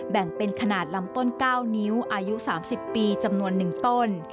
แบ่งเป็นขนาดลำต้น๙นิ้วอายุ๓๐ปีจำนวน๑ต้น